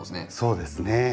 そうですね。